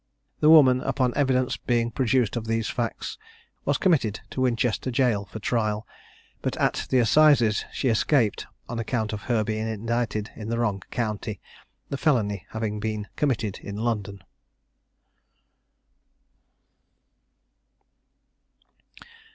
The woman, upon evidence being produced of these facts, was committed to Winchester jail for trial; but at the assizes she escaped, on account of her being indicted in the wrong county, the felony having been committed in London.